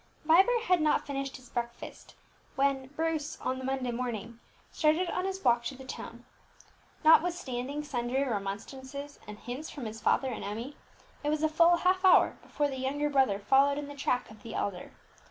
Vibert had not finished his breakfast when Bruce, on the Monday morning, started on his walk to the town. Notwithstanding sundry remonstrances and hints from his father and Emmie, it was a full half hour before the younger brother followed in the track of the elder.